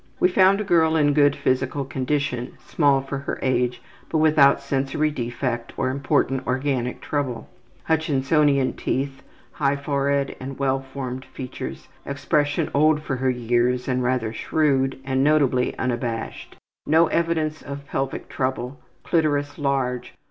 We found a girl in good physical condition, small for her age, but without sensory defect or important organic trouble. Hutchinsonian teeth. High forehead and well formed features. Expression old for her years and rather shrewd, and notably unabashed. No evidence of pelvic trouble. Clitoris large.